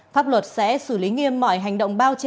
pháp luật sẽ xử lý nghiêm mọi hành động bao che